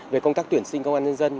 về công tác tuyển sinh công an nhân dân